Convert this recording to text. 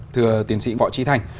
thưa tiến sĩ võ trí thành